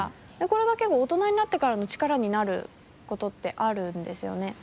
これが大人になってからの力になることってあるんですよね。